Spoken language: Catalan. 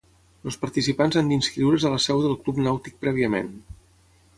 Els participants han d'inscriure's a la seu del Club Nàutic prèviament.